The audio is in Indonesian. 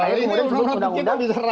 ini undang undang kita bicara